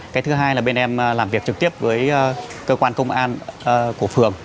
cái thứ hai là bên em làm việc trực tiếp với cơ quan công an của phường